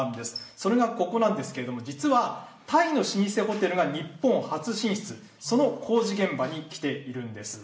それがここなんですけれども、実は、タイの老舗ホテルが日本初進出、その工事現場に来ているんです。